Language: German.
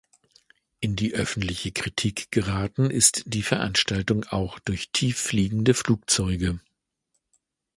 In die öffentliche Kritik geraten ist die Veranstaltung auch durch tieffliegende Flugzeuge.